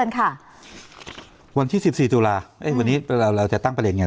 เชิญค่ะวันที่๑๔ตุลาค์วันนี้เราจะตั้งประเด็นยัง